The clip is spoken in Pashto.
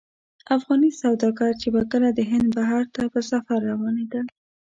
افغاني سوداګر چې به کله د هند بحر ته په سفر روانېدل.